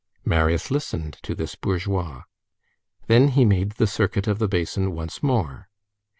Marius listened to this bourgeois. Then he made the circuit of the basin once more.